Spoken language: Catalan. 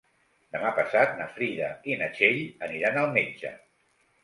Demà passat na Frida i na Txell aniran al metge.